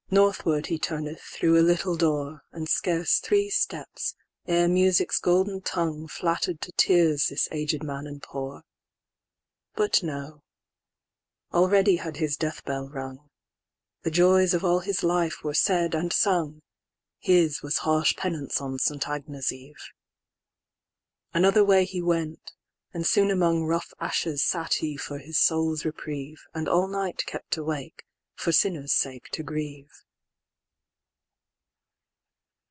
III.Northward he turneth through a little door, And scarce three steps, ere Music's golden tongueFlatter'd to tears this aged man and poor; But no—already had his deathbell rung; The joys of all his life were said and sung:His was harsh penance on St. Agnes' Eve:Another way he went, and soon amongRough ashes sat he for his soul's reprieve, And all night kept awake, for sinners' sake to grieve.